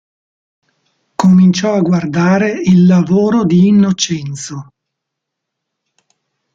Cominciò a guardare il lavoro di Innocenzo.